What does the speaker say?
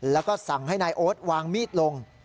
แล้วก็สั่งให้นายโอ๊ตวางมีดลง